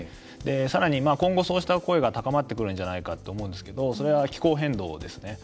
さらに今後、そうした声が高まってくるんじゃないかと思うんですけどそれは気候変動ですね。